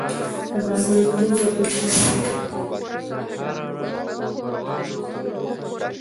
په ځانګړې توګه په مینډلنډ سیمه کې جګړه سخته او اوږده وه.